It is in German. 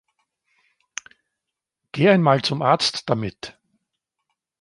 Gehe einmal zum Arzt damit.